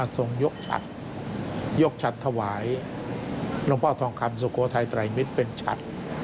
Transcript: ยกฉัดยกฉัดถวายหลวงพ่อทองคำสุโขทัยไตรมิตรเป็นฉัด